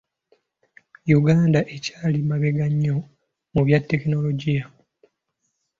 Uganda ekyali mabega nnyo mu bya tekinologiya.